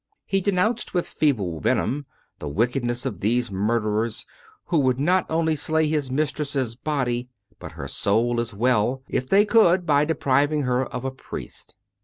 He denounced, with feeble venom, the wickedness of these murderers, who would not only slay his mistress's body, but her soul as well, if they could, by depriving her of a priest.